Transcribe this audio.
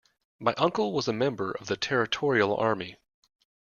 My uncle was a member of the Territorial Army